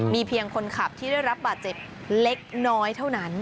มีเพียงคนขับที่ได้รับบาดเจ็บเล็กน้อยเท่านั้น